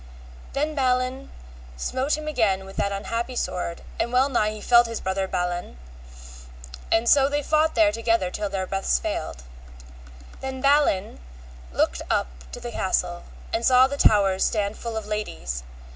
Then Balin smote him again with that unhappy sword, and well nigh had felled his brother Balan, and so they fought there together till their breaths failed. Then Balin looked up to the castle and saw the towers stand full of ladies.